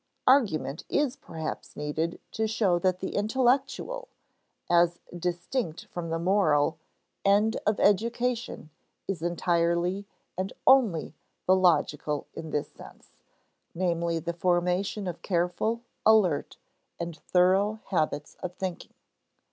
Argument is perhaps needed to show that the intellectual (as distinct from the moral) end of education is entirely and only the logical in this sense; namely, the formation of careful, alert, and thorough habits of thinking.